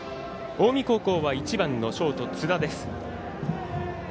近江高校は１番のショート、津田です。